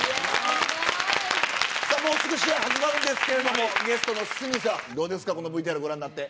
さあ、もうすぐ試合始まるんですけれども、ゲストの鷲見さん、どうですか、このＶＴＲご覧になって。